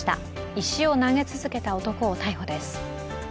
石を投げ続けた男を逮捕です。